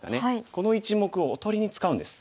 この１目をおとりに使うんです。